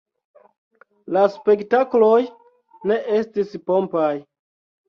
La spektakloj ne estis pompaj.